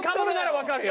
わかるよ。